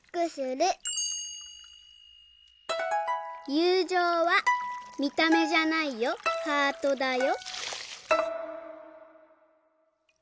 「ゆうじょうは見た目じゃないよハートだよ」。